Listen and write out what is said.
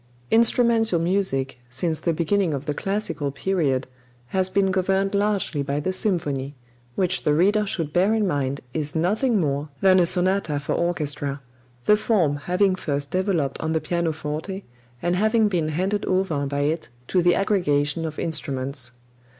Instrumental music, since the beginning of the classical period, has been governed largely by the symphony, which the reader should bear in mind is nothing more than a sonata for orchestra, the form having first developed on the pianoforte and having been handed over by it to the aggregation of instruments.